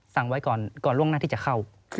สั่งไว้ก่อนล่วงหน้าที่จะเข้า